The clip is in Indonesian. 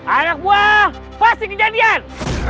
anak buah pasti kejadian